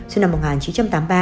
sự nằm ở hàng chín trăm tám mươi ba